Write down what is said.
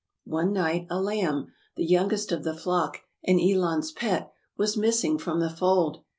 One night, a lamb — the youngest of the flock and Elon^s pet — was missing from the fold.